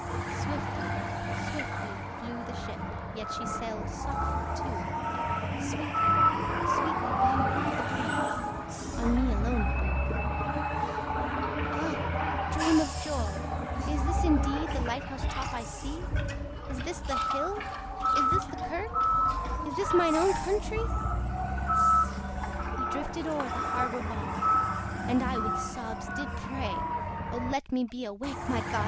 Swiftly, swiftly flew the ship, Yet she sailed softly too: Sweetly, sweetly blew the breeze On me alone it blew. Oh! dream of joy! is this indeed The light house top I see? Is this the hill? is this the kirk? Is this mine own countree! We drifted o'er the harbour bar, And I with sobs did pray O let me be awake, my God!